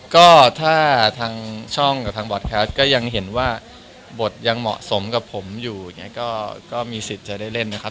ก็ถ้าทางช่องกับทางบอร์ดแคสก็ยังเห็นว่าบทยังเหมาะสมกับผมอยู่อย่างนี้ก็มีสิทธิ์จะได้เล่นนะครับ